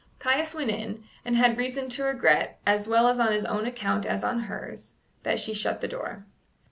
Caius went in, and had reason to regret, as well on his own account as on hers, that she shut the door.